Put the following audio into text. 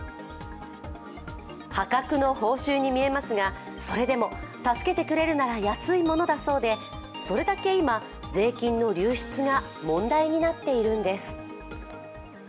破格の報酬に見えますが、それでも助けてくれるなら安いものだそうでそれだけ今、税金の流出が問題になっているんです。